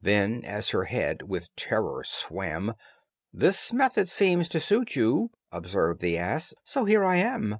Then, as her head with terror swam, "This method seems to suit you," Observed the ass, "so here I am."